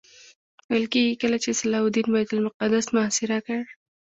ویل کېږي کله چې صلاح الدین بیت المقدس محاصره کړ.